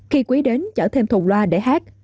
khi quý đến chở thêm thùng loa để hát